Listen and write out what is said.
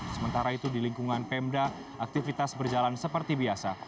sementara itu di lingkungan pemda aktivitas berjalan seperti biasa